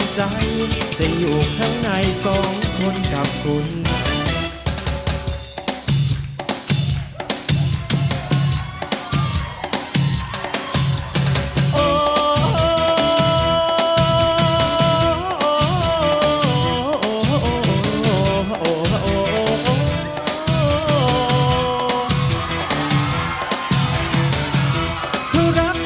ล้านเพลงที่สองเพลงมาค่อยโชคดีค่ะค่ะ